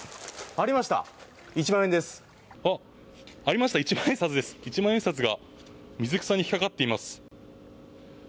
あ、ありました、一万円札です、一万円札が水草に引っ掛かっています。